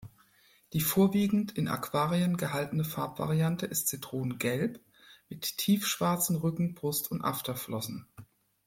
Die vorwiegend in Aquarien gehaltene Farbvariante ist zitronengelb mit tiefschwarzen Rücken-, Brust- und Afterflossen.